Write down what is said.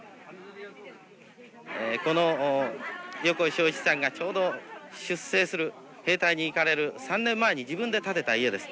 この横井庄一さんがちょうど出征する兵隊に行かれる３年前に自分で建てた家です